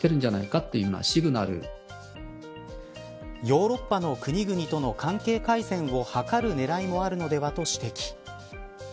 ヨーロッパの国々との関係改善を図る狙いもあるのではと指摘。